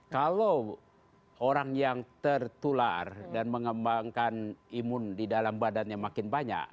kalau orang yang tertular dan mengembangkan imun di dalam badannya makin banyak